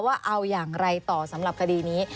ว่าเอาอย่างไรต่อสำหรับคดีนี้